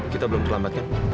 kita belum terlambat kan